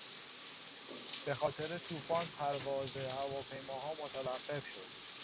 به خاطر توفان پرواز هواپیماها متوقف شد.